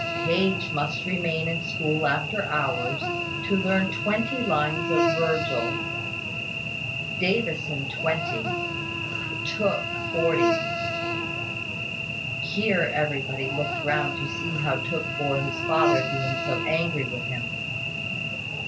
Page must remain in school after hours, to learn twenty lines of Virgil; Davison twenty; Tooke forty Here everybody looked round to see how Tooke bore his father being so angry with him.